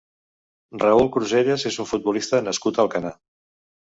Raúl Cruselles és un futbolista nascut a Alcanar.